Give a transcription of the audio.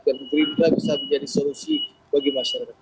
dan gerindra bisa menjadi solusi bagi masyarakat